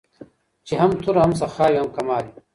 چي هم توره هم سخا وي هم کمال وي